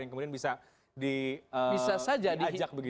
yang kemudian bisa diajak begitu